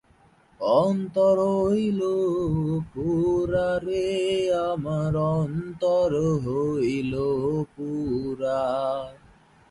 এতে করে অন্য বিজ্ঞানীরা একই পরীক্ষাটি বারবার করে একই ফলাফল লাভ করে আলোচ্য প্রকল্পটির সত্যতা নির্ণয় করতে পারেন।